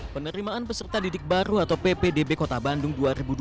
penerimaan peserta didik baru atau ppdb kota bandung dua ribu dua puluh